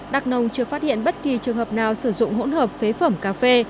đắk nông chưa phát hiện bất kỳ trường hợp nào sử dụng hỗn hợp phế phẩm cà phê